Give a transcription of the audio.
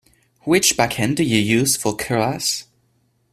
Which backend do you use for Keras?